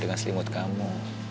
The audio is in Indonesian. dengan selimut kamu